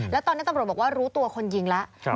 แล้วตอนนี้ตำรวจบอกว่ารู้ตัวคนยิงแล้ว